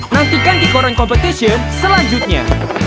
nantikan kikoran competition selanjutnya